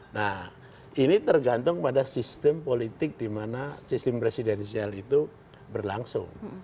nah ini tergantung pada sistem politik di mana sistem presidensial itu berlangsung